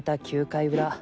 ９回裏。